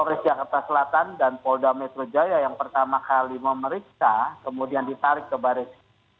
polres jakarta selatan dan polda metro jaya yang pertama kali memeriksa kemudian ditarik ke baris